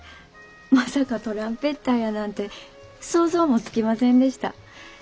まさかトランペッターやなんて想像もつきませんでした。